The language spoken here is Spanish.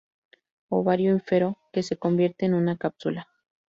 Ovario ínfero, que se convierte en una cápsula.